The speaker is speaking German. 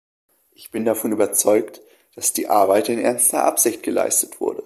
Ich bin davon überzeugt, das die Arbeit in ernster Absicht geleistet wurde.